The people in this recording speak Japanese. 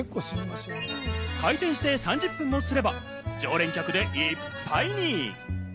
開店して３０分もすれば常連客でいっぱいに。